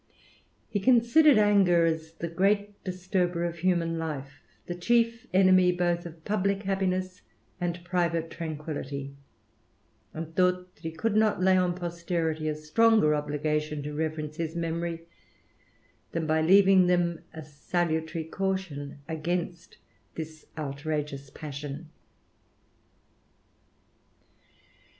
He considered anger as the great disturber of human life, the chief enemy both of publick happiness and private tranquillity, and thought that he could not lay on posterity a stronger obligation to reverence his memory^ than by leaving them a salutary caution against this outrageous passion.